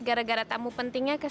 gara gara tamu pentingnya